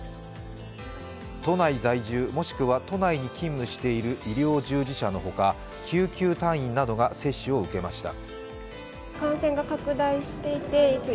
都内在住もしくは、都内に勤務している医療従事者のほか救急隊員などが接種を受けました。